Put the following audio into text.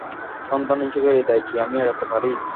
সন্তান হিসেবে এ দায় কি আমি এড়াতে পারি?